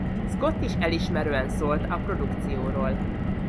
Scott is elismerően szólt a produkcióról.